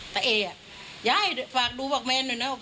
แต่เอ่ยย้ายฝากดูบอกแมนหน่อยนะ